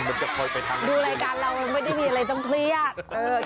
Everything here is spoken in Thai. ดูรายการเรามันไม่ได้มีอะไรต้องเครียด